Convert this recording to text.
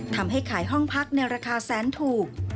ทำให้ขายห้องพักในราคาแสนถูก